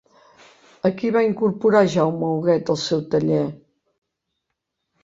A qui va incorporar Jaume Huguet al seu taller?